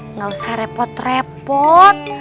nggak usah repot repot